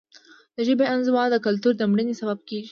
د ژبې انزوا د کلتور د مړینې سبب کیږي.